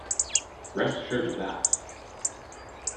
Rest assured of that!